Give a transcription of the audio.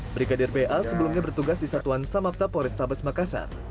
brigadir ba sebelumnya bertugas di satuan samapta polrestabes makassar